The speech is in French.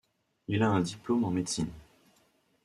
Il a un diplôme en médecine.